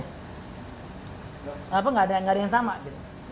kenapa nggak ada yang sama gitu